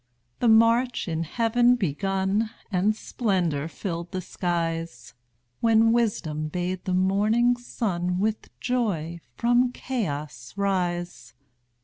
The march in heaven begun, And splendor filled the skies, When Wisdom bade the morning sun With joy from chaos rise.